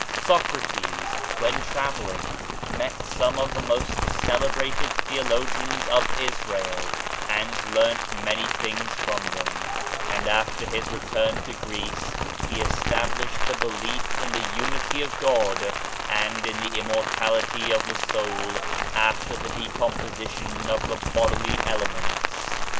Socrates, when travelling, met some of the most celebrated theologians of Israel and learnt many things from them; and after his return to Greece he established the belief in the Unity of God and in the im mortality of the soul after the decomposition of the bodily elements.